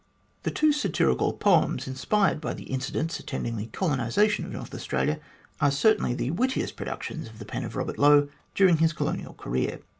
The two satirical poems inspired by the incidents attend ing the colonisation of North Australia are certainly the wittiest productions of the pen of Eobert Lowe during his colonial career.